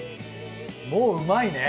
もううまいね。